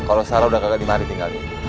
kalau sarah udah kakak dimari tinggal